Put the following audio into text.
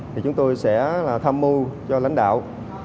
thì chúng tôi sẽ tham mưu cho lãnh đạo